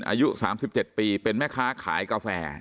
อายุสามสิบเจ็ดปีเป็นแม่ค้าขายกาแฟ